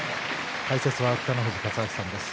解説は北の富士勝昭さんです。